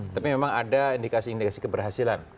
tapi memang ada indikasi indikasi keberhasilan